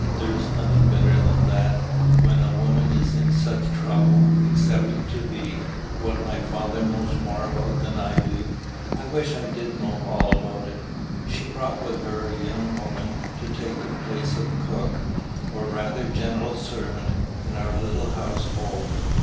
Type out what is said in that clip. There is nothing better than that when a woman is in such trouble, except it be what my father knows more about than I do: I wish I did know all about it. She brought with her a young woman to take the place of cook, or rather general servant, in our little household.